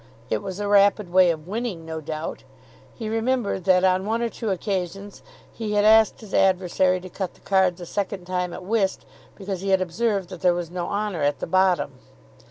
It was a rapid way of winning, no doubt. He remembered that on one or two occasions he had asked his adversary to cut the cards a second time at whist, because he had observed that there was no honour at the bottom.